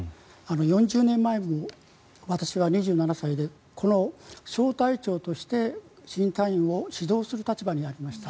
４０年前も、私は２７歳でこの小隊長として、新隊員を指導する立場にありました。